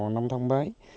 nông thông mới